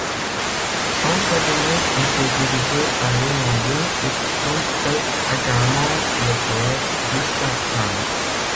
Son cabinet était dirigé par Léon Blum et comptait également le poète Gustave Kahn.